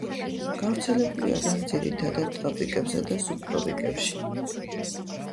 გავრცელებული არიან ძირითადად ტროპიკებსა და სუბტროპიკებში.